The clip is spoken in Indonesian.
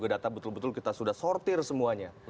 data betul betul kita sudah sortir semuanya